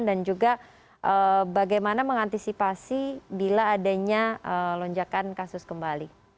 dan juga bagaimana mengantisipasi bila adanya lonjakan kasus kembali